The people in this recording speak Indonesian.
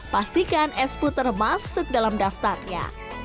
pastikan es puter masuk dalam daftarnya